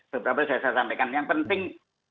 beberapa sudah saya sampaikan yang penting